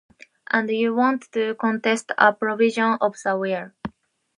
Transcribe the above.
And you want to contest a provision of the will?